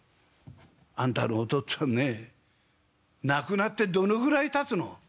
「あんたのお父っつぁんね亡くなってどのぐらいたつの？」。